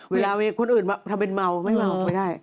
เวลาคนอื่นมาทำเป็นเมาไม่เมาไม่ได้